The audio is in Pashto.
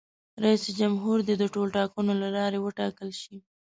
جمهور رئیس دې د ټولټاکنو له لارې وټاکل شي.